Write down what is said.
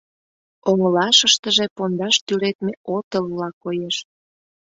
Оҥылашыштыже пондаш тӱредме отылла коеш.